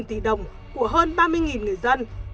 một mươi tỷ đồng của hơn ba mươi người dân